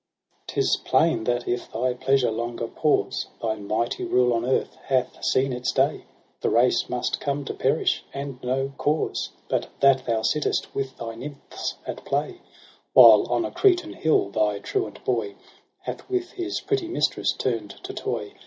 I? ' 'Tis plain that if thy pleasure longer pause. Thy mighty rule on earth hath seen its day : The race must come to perish, and no cause But that thou sittest with thy nymphs at play, While on a Cretan hill thy truant boy Hath with his pretty mistress turn'd to toy.